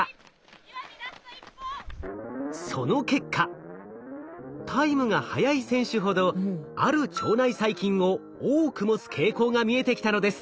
その結果タイムが速い選手ほどある腸内細菌を多く持つ傾向が見えてきたのです。